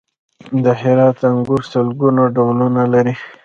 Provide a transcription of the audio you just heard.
د هرات انګور سلګونه ډولونه لري.